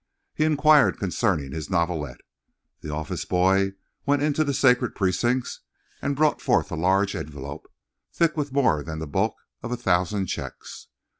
He inquired concerning his novelette. The office boy went into the sacred precincts and brought forth a large envelope, thick with more than the bulk of a thousand checks.